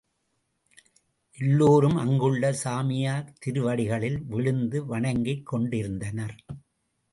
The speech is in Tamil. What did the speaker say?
எல்லோரும் அங்குள்ள சாமியார் திருவடிகளில் விழுந்து வணங்கிக் கொண்டிருந்தனர்.